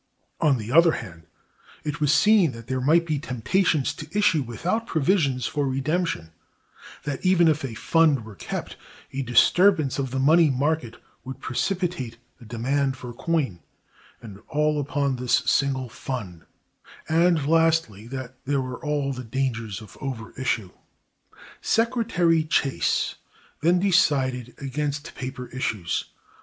On the other hand, it was seen that there might be temptations to issue without provisions for redemption; that even if a fund were kept, a disturbance of the money market would precipitate a demand for coin, and all upon this single fund; and, lastly, that there were all the dangers of over issue. Secretary Chase(254) then decided against paper issues.